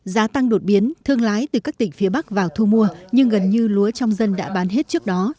giá tăng đột biến thương lái từ các tỉnh phía bắc vào thu mua nhưng gần như lúa trong dân đã bán hết trước đó